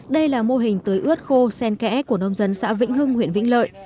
đây là mô hình tưới ướt khô sen kẽ của nông dân xã vĩnh hưng huyện vĩnh lợi